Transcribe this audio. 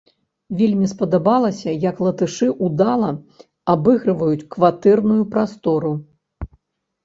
Вельмі спадабалася, як латышы ўдала абыгрываюць кватэрную прастору.